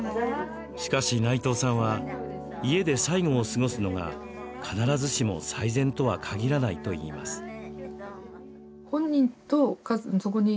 しかし内藤さんは家で最期を過ごすのが、必ずしも最善とは限らないといいます。